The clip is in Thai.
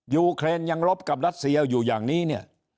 ยูเครนยังลบกับรัสเซียอยู่อย่างนี้เนี่ย